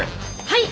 はい！